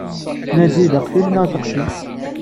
Nady d aqcic neɣ d taqcict?